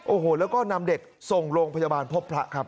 โอ้โหแล้วก็นำเด็กส่งโรงพยาบาลพบพระครับ